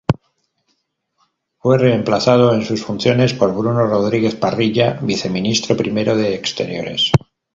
Fue reemplazado en sus funciones por Bruno Rodríguez Parrilla, viceministro primero de exteriores.